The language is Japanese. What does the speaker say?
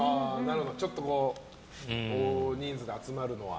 ちょっと大人数で集まるのは？